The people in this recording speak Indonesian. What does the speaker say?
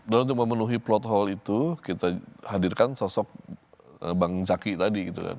dan untuk memenuhi plot hole itu kita hadirkan sosok bang zaky tadi gitu kan